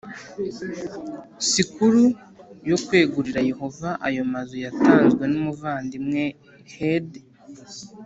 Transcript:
sikuru yo kwegurira Yehova ayo mazu yatanzwe n umuvandimwe Herd